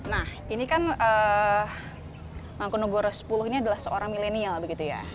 nah ini kan mangkunegara sepuluh ini adalah seorang milenial begitu ya